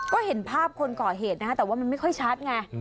ก็เห็นภาพคนก่อเหตุนะฮะแต่ว่ามันไม่ค่อยชัดไง